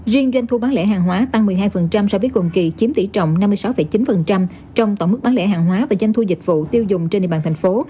riêng doanh thu bán lẻ hàng hóa tăng một mươi hai so với cùng kỳ chiếm tỷ trọng năm mươi sáu chín trong tổng mức bán lẻ hàng hóa và doanh thu dịch vụ tiêu dùng trên địa bàn thành phố